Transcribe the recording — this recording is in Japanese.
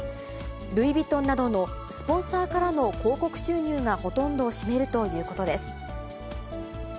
ルイ・ヴィトンなどのスポンサーからの広告収入がほとんどを占めるということです。